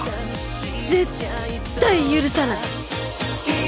絶対許さない！